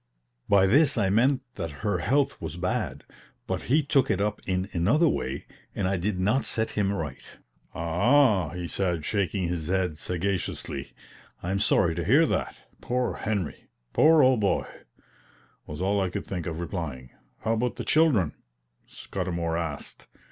By this I meant that her health was bad; but he took it up in another way, and I did not set him right. "Ah, ah!" he said, shaking his head sagaciously; "I'm sorry to hear that. Poor Henry!" "Poor old boy!" was all I could think of replying. "How about the children?" Scudamour asked.